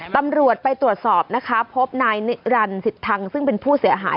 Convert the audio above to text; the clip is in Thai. ตำรวจไปตรวจสอบนะคะพบนายนิรันดิสิทธังซึ่งเป็นผู้เสียหาย